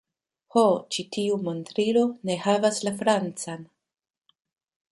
Ho ĉi tiu montrilo ne havas la francan